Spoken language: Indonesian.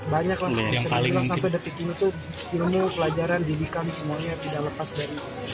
banyak lah yang bisa dibilang sampai detik ini tuh ilmu pelajaran didikan semuanya tidak lepas dari